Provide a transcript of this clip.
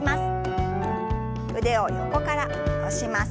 腕を横から下ろします。